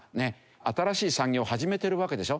新しい産業を始めてるわけでしょ？